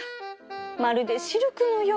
まるでシルクのよう。